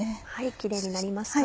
キレイになりました。